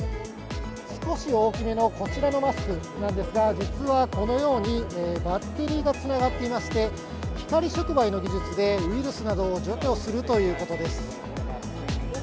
少し大きめのこちらのマスクなんですが、実はこのように、バッテリーがつながっていまして、光触媒の技術で、ウイルスなどを除去するということです。